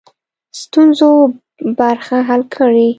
ستونزو برخه حل کړي.